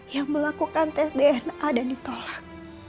yang melakukan tes dna dan ditolak